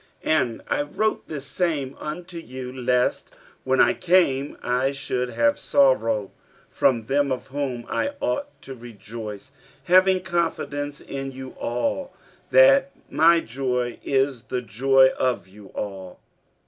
47:002:003 And I wrote this same unto you, lest, when I came, I should have sorrow from them of whom I ought to rejoice; having confidence in you all, that my joy is the joy of you all.